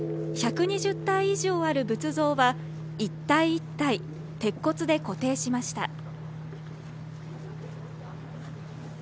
１２０体以上ある仏像は一体一体、鉄骨で固定しました。